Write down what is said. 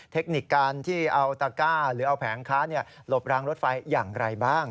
เทคนิคการที่เอาตะก้าหรือเอาแผงค้าหลบรางรถไฟอย่างไรบ้าง